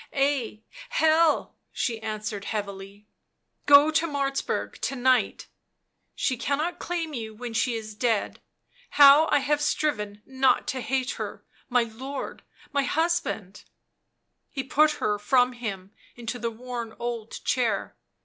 " Ay, Hell , 77 she answered heavily; "go to Martzburg to night ; she cannot claim you when she is dead ; how I have striven not to hate her — my lord, my husband . 77 He put her from him into the worn old chair.